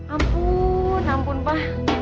ampun ampun pa